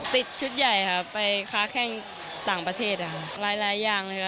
ติดชุดใหญ่ค่ะไปค้าแข้งต่างประเทศหลายอย่างเลยค่ะ